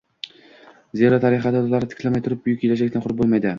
Zero, tarixiy adolatni tiklamay turib, buyuk kelajakni qurib bulmaydi